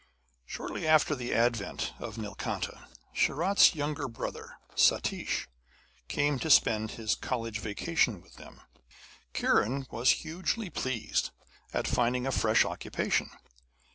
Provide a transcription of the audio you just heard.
Shortly after the advent of Nilkanta, Sharat's younger brother, Satish, came to spend his college vacation with them. Kiran was hugely pleased at finding a fresh occupation.